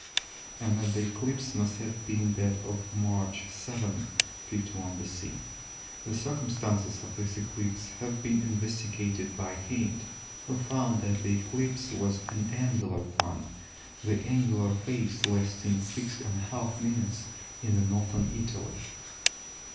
and that the eclipse must have been that of March 7, 51 B.C. The circumstances of this eclipse have been investigated by Hind, who found that the eclipse was an annular one, the annular phase lasting 6½ minutes in Northern Italy.